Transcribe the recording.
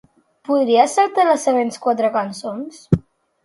Podries saltar-te les següents quatre cançons?